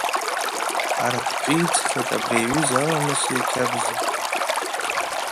Ҳара ҳҿы иӡхьеит абри аҩыза аламыси ақьабзи.